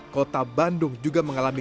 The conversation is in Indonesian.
kota bandung juga mengalami